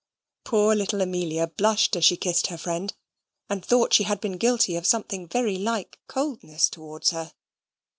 Poor little Amelia blushed as she kissed her friend, and thought she had been guilty of something very like coldness towards her.